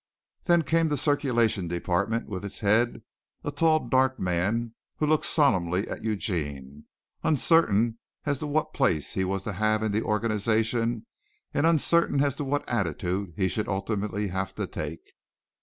Then came the circulation department with its head, a tall dark man who looked solemnly at Eugene, uncertain as to what place he was to have in the organization and uncertain as to what attitude he should ultimately have to take.